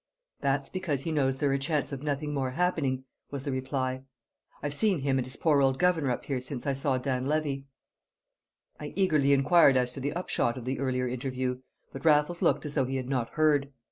"That's because he knows there's a chance of nothing more happening," was the reply. "I've seen him and his poor old governor up here since I saw Dan Levy." I eagerly inquired as to the upshot of the earlier interview, but Raffles looked as though he had not heard.